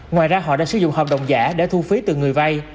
ngoài ra họ đã sử dụng hợp đồng giả để thu phí từ người vay